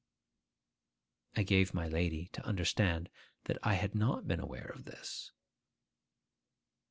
I gave my lady to understand that I had not been aware of this.